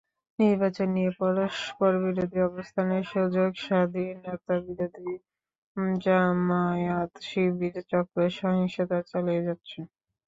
নির্বাচন নিয়ে পরস্পরবিরোধী অবস্থানের সুযোগে স্বাধীনতাবিরোধী জামায়াত-শিবির চক্র সহিংসতা চালিয়ে যাচ্ছে।